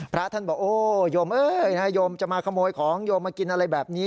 พระท่านบอกโอ้โยมเอ้ยโยมจะมาขโมยของโยมมากินอะไรแบบนี้